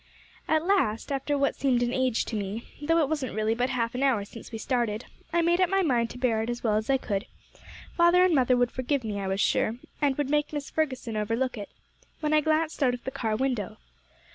"At last, after what seemed an age to me, though it wasn't really but half an hour since we started, I made up my mind to bear it as well as I could; father and mother would forgive me, I was sure, and would make Mrs. Ferguson overlook it when I glanced out of the car window.